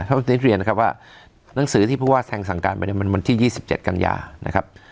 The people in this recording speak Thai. ถ้าเป็นเรียนนะครับว่าหนังสือที่พูดว่าแทงสังการไปเนี่ยมันวันที่ยี่สิบเจ็ดกันยานะครับ